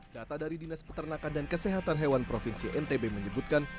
data dari dinas peternakan dan kesehatan hewan provinsi ntb menyebutkan